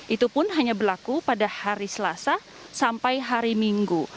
itu pun hanya berlaku pada hari selasa sampai hari minggu